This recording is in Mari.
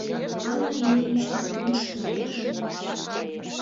— Анна Ильинична кугун шӱлалтыш.